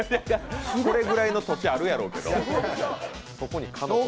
それぐらいの土地あるやろうけど。